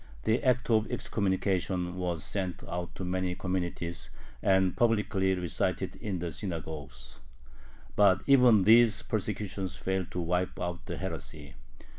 The act of excommunication was sent out to many communities, and publicly recited in the synagogues. But even these persecutions failed to wipe out the heresy.